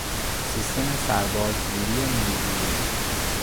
سیستم سرباز گیری مزدوری